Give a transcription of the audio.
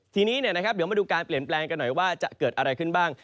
ทีนี้เดี๋ยวมาดูการเปลี่ยนแปลงกันหน่อยว่าจะเกิดอะไรขึ้นบ้าง